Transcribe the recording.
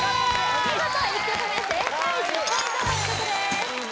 お見事１曲目正解１０ポイント獲得です